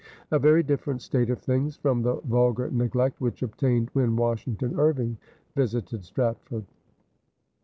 A very different state of things from the vulgar neglect which obtained when Washington Irving visited Strat ford.